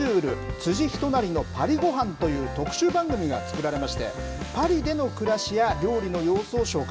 辻仁成のパリごはんという特集番組が作られまして、パリでの暮らしや料理の様子を紹介。